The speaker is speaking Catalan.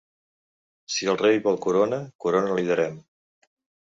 Si el rei vol corona, corona li darem!